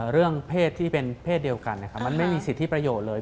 เรื่องเพศที่เป็นเพศเดียวกันมันไม่มีสิทธิประโยชน์เลย